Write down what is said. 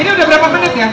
ini udah berapa menit ya